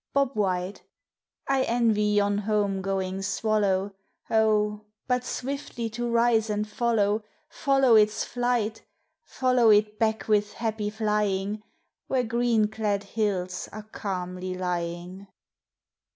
Bob White!" I envy yon home going swallow, Oh, but swiftly to rise and follow Follow its flight, Follow it back with happy flying, Where green clad hills are calmly lying.